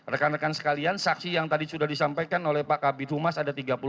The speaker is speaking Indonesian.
rekan rekan sekalian saksi yang tadi sudah disampaikan oleh pak kabit humas ada tiga puluh tujuh